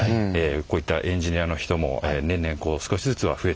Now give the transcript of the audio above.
こういったエンジニアの人も年々少しずつは増えてきてます。